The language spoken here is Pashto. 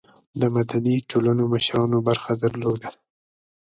د مدني ټولنو مشرانو برخه درلوده.